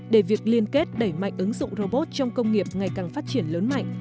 để việc liên kết đẩy mạnh ứng dụng robot trong công nghiệp ngày càng phát triển lớn mạnh